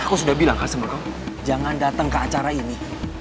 aku sudah bilang customer jangan datang ke acara ini